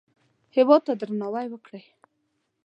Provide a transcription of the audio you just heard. هېواد ته درناوی وکړئ